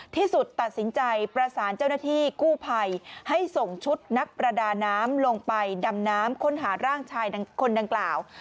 ที่สุดตัดสินใจประสานเจ้าหน้าที่กู้ภัยให้ส่งชุดนักประดาน้ำลงไปดำน้ำค้นหาร่างชายคนดังกล่าว